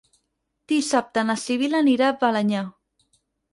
Dissabte na Sibil·la anirà a Balenyà.